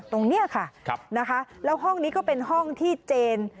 ตรงนี้ค่ะนะคะแล้วห้องนี้ก็เป็นห้องที่เจน